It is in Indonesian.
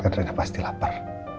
karena rena pasti lapar